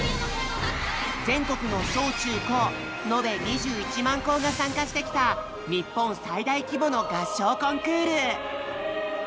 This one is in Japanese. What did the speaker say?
全国の小・中・高のべ２１万校が参加してきた日本最大規模の合唱コンクール！